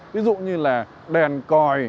ví dụ như là đèn còi